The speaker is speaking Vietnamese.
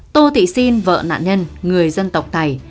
tô thị sinh vợ nạn nhân người dân tộc thầy